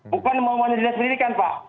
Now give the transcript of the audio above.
bukan mau mandiri dinas pendidikan pak